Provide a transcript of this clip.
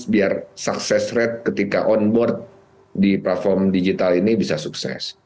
biar sukses rate ketika on board di platform digital ini bisa sukses